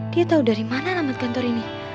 dia tau dari mana alamat kantor ini